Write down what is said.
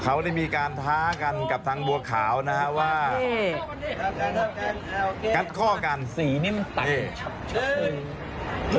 เขาต้องได้มีการท้ากันกับทังบวกขาวนะครับ